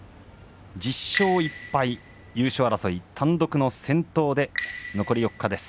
１０勝１敗、優勝争い単独の先頭で残り４日です。